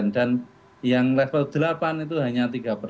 dan yang level delapan itu hanya tiga